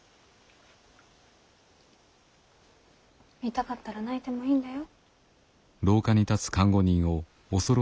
痛かったら泣いてもいいんだよ。